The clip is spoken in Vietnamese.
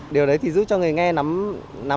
điều đấy thì giúp cho người nghe nắm bài